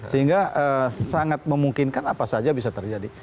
sehingga sangat memungkinkan apa saja bisa terjadi